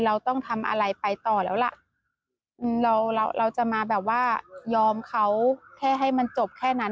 มันไม่ไหวจริง